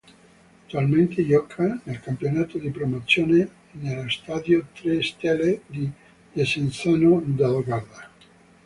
Attualmente gioca nel campionato di Promozione nello stadio "Tre Stelle" di Desenzano del Garda.